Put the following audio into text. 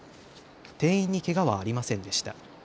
店員にけがはありませんでした。